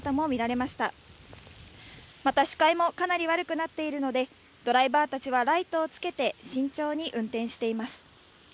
また、視界もかなり悪くなっているので、ドライバーたちはライトをつけて慎重に運転しています。